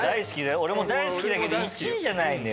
俺も大好きだけど１位じゃないのよ。